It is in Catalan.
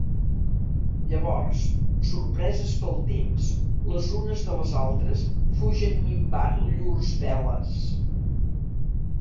Llavors, sorpreses pels temps, les unes de les altres, fugen minvant llurs veles.